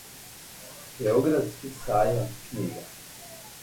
Београдски сајам књига.